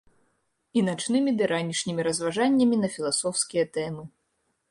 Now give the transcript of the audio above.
І начнымі ды ранішнімі разважаннямі на філасофскія тэмы.